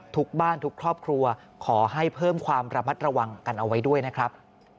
ทุกบ้านทุกครอบครัวขอให้เพิ่มความระมัดระวังกันเอาไว้ด้วยนะครับ